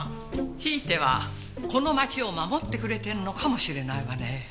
ひいてはこの街を守ってくれてるのかもしれないわね。